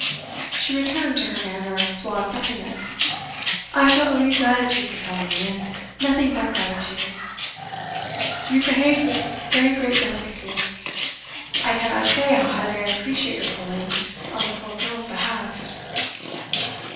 She returned to her manner of suave friendliness. 'I shall owe you gratitude for telling me, and nothing but gratitude. You have behaved with very great delicacy; I cannot say how highly I appreciate your feeling on the poor girl's behalf.